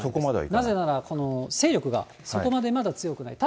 なぜなら勢力がそこまでまだ強くない。